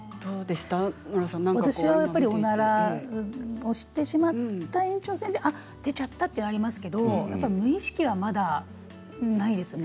私はおならをしてしまった延長戦で出ちゃったということがありますけども無意識は、まだないですね。